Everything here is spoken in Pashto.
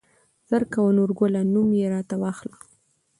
زر کوه نورګله نوم يې راته واخله.